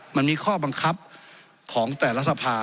มันมีข้อบังคับของแต่ละสภา